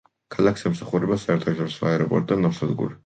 ქალაქს ემსახურება საერთაშორისო აეროპორტი და ნავსადგური.